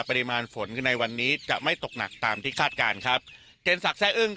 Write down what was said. ปริมาณฝนในวันนี้จะไม่ตกหนักตามที่คาดการณ์ครับเจนศักดิ์แซ่อึ้ง